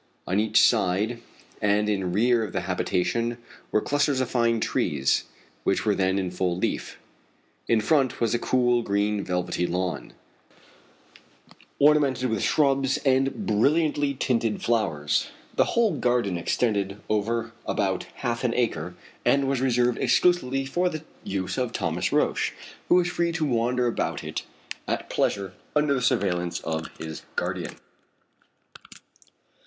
On each side and in rear of the habitation were clusters of fine trees, which were then in full leaf. In front was a cool, green velvety lawn, ornamented with shrubs and brilliantly tinted flowers. The whole garden extended over about half an acre, and was reserved exclusively for the use of Thomas Roch, who was free to wander about it at pleasure under the surveillance of his guardian.